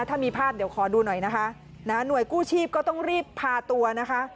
ถ้ามีภาพเดี๋ยวขอดูหน่อยนะคะหน่วยกู้ชีพก็ต้องรีบพาตัวนะคะ